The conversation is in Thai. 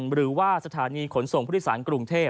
หรือว่าสถานีขนส่งพฤษภัณฑ์กรุงเทพ